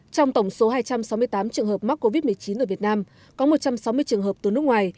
trong tổng số hai trăm sáu mươi tám trường hợp mắc covid một mươi chín ở việt nam có một trăm sáu mươi trường hợp từ nước ngoài